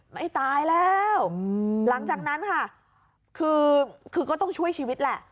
ไม่ตายแล้วหลังจากนั้นค่ะคือคือก็ต้องช่วยชีวิตแหละ